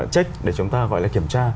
check để chúng ta gọi là kiểm tra